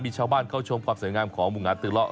มีชาวบ้านเข้าชมความสวยงามของหมู่งานตือเลาะ